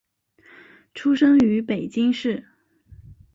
出生于北京市。